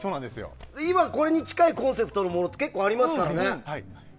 今、これに近いコンセプトのものって結構、ありますからね。